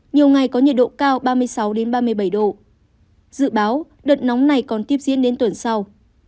nhiều ngày có nhiệt độ cao ba mươi sáu ba mươi bảy độ dự báo đợt nóng này còn tiếp diễn đến tuần sau